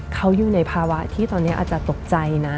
เขาอยู่ในภาวะที่ตอนนี้อาจจะตกใจนะ